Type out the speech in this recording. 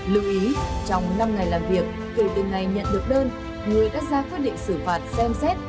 lưu ý trong năm ngày làm việc kể từ ngày nhận được đơn người đã ra quyết định xử phạt xem xét